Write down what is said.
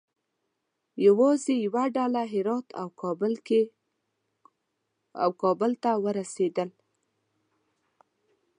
یوازې یوه ډله هرات او کابل ته ورسېدل.